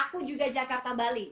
aku juga jakarta bali